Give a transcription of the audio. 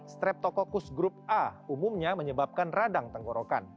streptococcus grup a umumnya menyebabkan radang tenggorokan